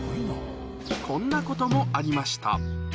こんなこともありました。